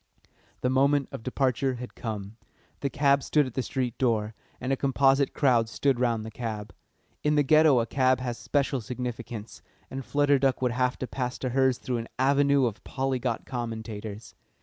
The moment of departure had come. The cab stood at the street door, and a composite crowd stood round the cab. In the Ghetto a cab has special significance, and Flutter Duck would have to pass to hers through an avenue of polyglot commentators.